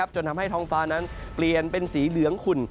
จนทำให้ท้องฟ้านั้นเปลี่ยนเป็นสีเหลืองขุ่น